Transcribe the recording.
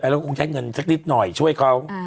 แล้วก็คงใช้เงินสักนิดหน่อยช่วยเขา